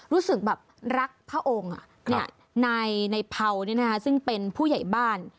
รู้สึกแบบรักพระองค์นายเผาซึ่งเป็นผู้ใหญ่บ้าน